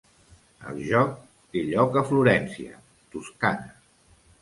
El joc té lloc a Florència, Toscana.